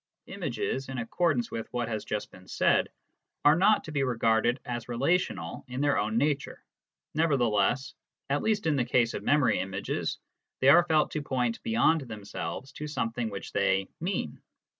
Images, in accord ance with what has just been said, are not to be regarded as relational in their own nature ; nevertheless, at least in the case of memory images, they are felt to point beyond them selves to something which they " mean."